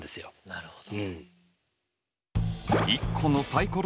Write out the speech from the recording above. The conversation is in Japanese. なるほど。